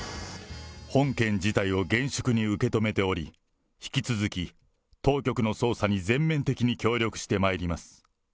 本件事態を厳粛に受け止めており、引き続き、当局の捜査に全面的に協力してまいります。